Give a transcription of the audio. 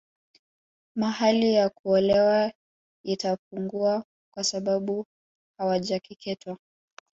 Mahali ya kuolewa itapungua kwa sabau hawajakeketwa